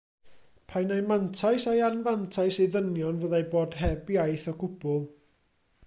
Pa un ai mantais ai anfantais i ddynion fyddai bod heb iaith o gwbl?